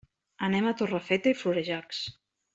Anem a Torrefeta i Florejacs.